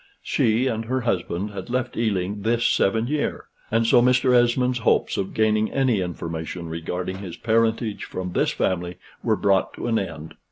She and her husband had left Ealing this seven year; and so Mr. Esmond's hopes of gaining any information regarding his parentage from this family were brought to an end.